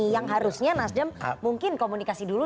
yang harusnya nasdem mungkin komunikasi dulu